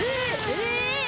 え？